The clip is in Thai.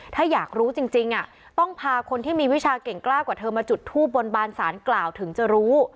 ถ้าอยากรู้จริงต้องพาคนที่มีวิชาเก่งกล้ากว่าเธอมาจุดทูบบนบานสารกล่าวถึงจะรู้